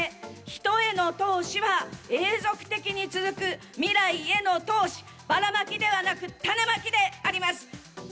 人への投資は永続的に続く、未来への投資、ばらまきではなく種まきであります。